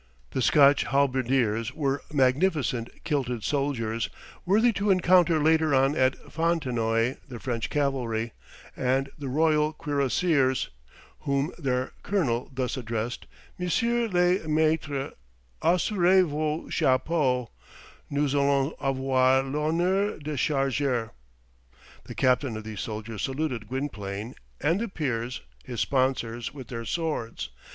The Scotch halberdiers were magnificent kilted soldiers, worthy to encounter later on at Fontenoy the French cavalry, and the royal cuirassiers, whom their colonel thus addressed: "Messieurs les maitres, assurez vos chapeaux. Nous allons avoir l'honneur de charger." The captain of these soldiers saluted Gwynplaine, and the peers, his sponsors, with their swords.